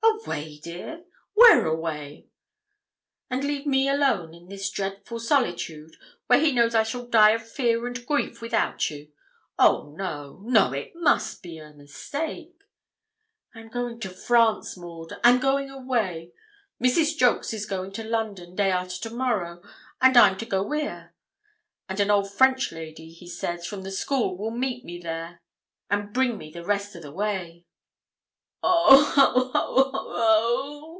'Away, dear! where away? And leave me alone in this dreadful solitude, where he knows I shall die of fear and grief without you? Oh! no no, it must be a mistake.' 'I'm going to France, Maud I'm going away. Mrs. Jolks is going to London, day ar'ter to morrow, and I'm to go wi' her; and an old French lady, he says, from the school will meet me there, and bring me the rest o' the way.' 'Oh ho ho ho ho o o o!'